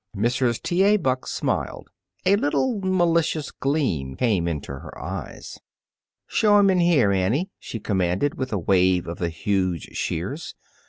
Mrs. T. A. Buck smiled. A little malicious gleam came into her eyes. "Show 'em in here, Annie," she commanded, with a wave of the huge shears.